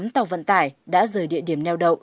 một trăm hai mươi tám tàu vận tải đã rời địa điểm neo đậu